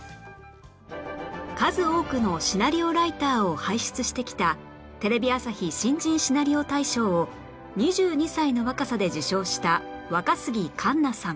数多くのシナリオライターを輩出してきたテレビ朝日新人シナリオ大賞を２２歳の若さで受賞した若杉栞南さん